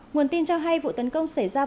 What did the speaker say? nguồn tin cho hay vụ tấn công bị tiêu diệt